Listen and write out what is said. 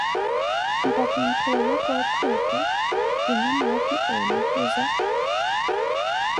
Nka kinkelele coopho eto, kinwe maati oolukuza.